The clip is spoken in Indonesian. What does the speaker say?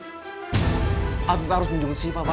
pak afif harus menjemput siva pak